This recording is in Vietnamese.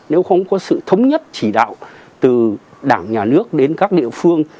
nếu không có sự thống nhất chỉ đạo từ đảng nhà nước đến các địa phương